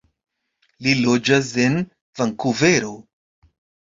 Li loĝas en Vankuvero.